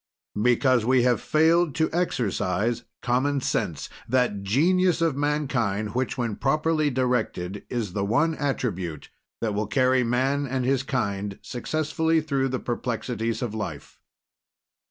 Because we have failed to exercise Common Sense that genius of mankind, which, when properly directed is the one attribute that will carry man and his kind successfully through the perplexities of life.